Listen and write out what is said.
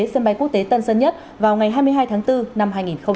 sân bay quốc tế tân sơn nhất vào ngày hai mươi hai tháng bốn năm hai nghìn hai mươi